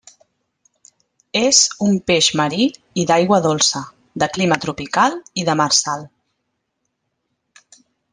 És un peix marí i d'aigua dolça, de clima tropical i demersal.